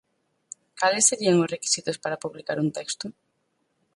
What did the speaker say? Cales serían os requisitos para publicar un texto?